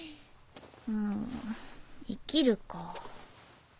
ん「生きる」か。